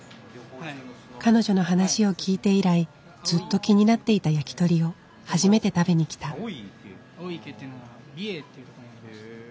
彼女の話を聞いて以来ずっと気になっていたやきとりを初めて食べに来た。